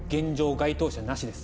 該当者なしです。